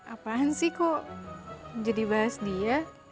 apaan sih kok jadi bahas dia